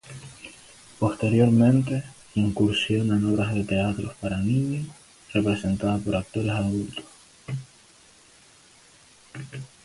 Posteriormente, incursiona en obras de teatro para niños representada por actores adultos.